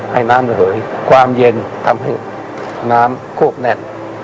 ให้น้ำเหลือให้ความเย็นทำให้น้ำควบแน่น